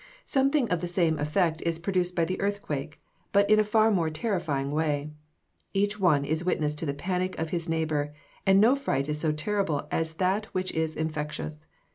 Something of the same effect is produced by the earthquake; but in a far more terrifying way. Each one is witness to the panic of his neighbor; and no fright is so terrible as that which is infectious.